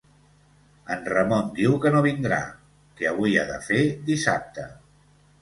En Ramon diu que no vindrà, que avui ha de fer dissabte.